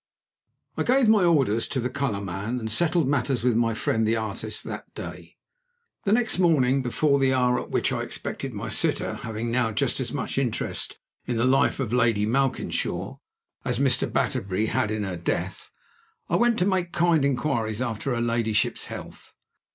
I GAVE my orders to the colorman, and settled matters with my friend the artist that day. The next morning, before the hour at which I expected my sitter, having just now as much interest in the life of Lady Malkinshaw as Mr. Batterbury had in her death, I went to make kind inquiries after her ladyship's health.